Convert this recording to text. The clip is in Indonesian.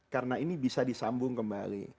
karena ini bisa disambung kembali